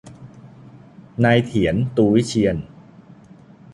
นายเถียร ตูวิเชียร